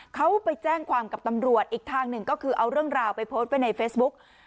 เขาไปแจ้งความกับตำรวจอีกทางหนึ่งก็คือเอาเรื่องราวไปโพสต์ไว้ในเฟซบุ๊ก